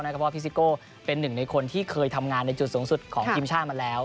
เพราะว่าพี่ซิโก้เป็นหนึ่งในคนที่เคยทำงานในจุดสูงสุดของทีมชาติมาแล้ว